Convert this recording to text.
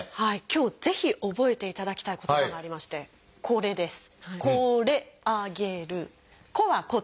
今日ぜひ覚えていただきたい言葉がありましてこれです。